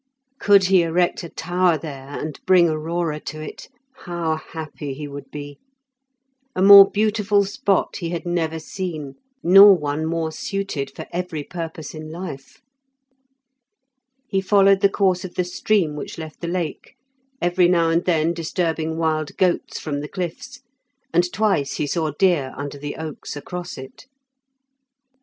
Could he erect a tower there, and bring Aurora to it, how happy he would be! A more beautiful spot he had never seen, nor one more suited for every purpose in life. He followed the course of the stream which left the lake, every now and then disturbing wild goats from the cliffs, and twice he saw deer under the oaks across it.